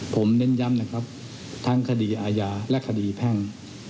ผมเน้นย้ำนะครับทั้งคดีอาญาและคดีแพ่ง